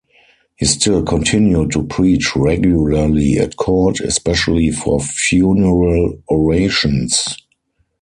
He still continued to preach regularly at court, especially for funeral orations.